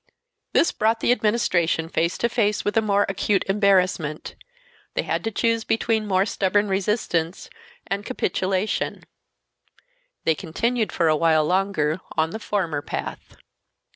This brought the Administration face to face with a more acute embarrassment. They had to choose between more stubborn resistance and capitulation: They continued for a while longer on the former path.